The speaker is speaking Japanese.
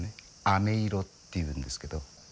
あめ色っていうんですけど。